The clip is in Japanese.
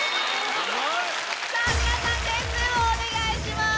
皆さん点数お願いします。